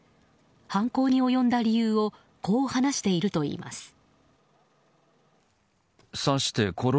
犯行に及んだ理由をこう話しているといいます。